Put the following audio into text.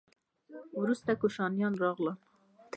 وروسته کوشانیان راغلل